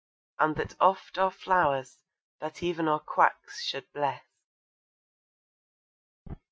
And that oft are flowers that even our quacks should bless!